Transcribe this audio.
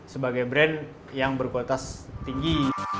sebagai brand yang berkualitas tinggi